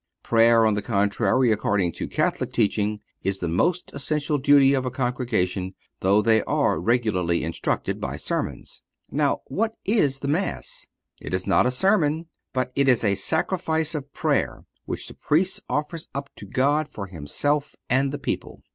Prayer, on the contrary, according to Catholic teaching, is the most essential duty of a congregation, though they are also regularly instructed by sermons. Now, what is the Mass? It is not a sermon, but it is a sacrifice of prayer which the Priest offers up to God for himself and the people.